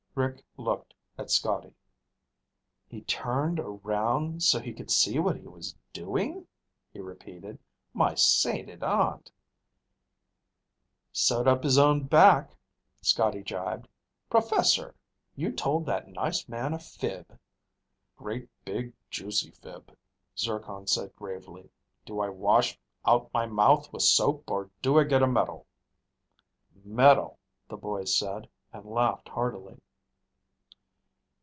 Rick looked at Scotty. "He turned around so he could see what he was doing," he repeated. "My sainted aunt!" "Sewed up his own back," Scotty gibed. "Professor! You told that nice man a fib!" "Great big juicy fib," Zircon said gravely. "Do I wash out my mouth with soap or do I get a medal?" "Medal," the boys said, and laughed heartily.